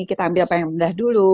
kita ambil apa yang rendah dulu